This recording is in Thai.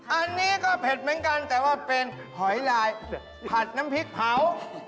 อันนี้ก็เผ็ดเหมือนกันแต่ว่าเป็นหอยลายผัดน้ำพริกเผา